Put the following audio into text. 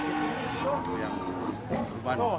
untuk yang kurban